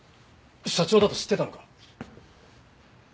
社長だと知ってたのか？